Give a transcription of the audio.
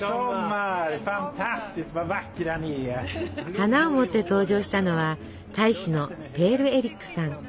花を持って登場したのは大使のペールエリックさん。